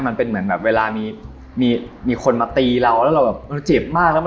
มันเป็นเหมือนเวลามีคนมาตีเราแล้วเราเจ็บมาก